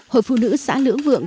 hội phụ nữ xã lưỡng